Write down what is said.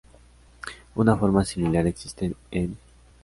Una forma similar existe en